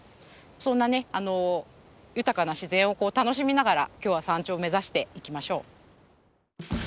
そんなね豊かな自然を楽しみながら今日は山頂を目指していきましょう。